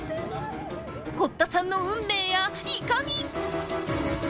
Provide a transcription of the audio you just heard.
堀田さんの運命やいかに！？